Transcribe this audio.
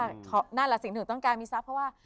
นั่นแหละสิ่งหนึ่งต้องการมีทรัพย์เพราะว่า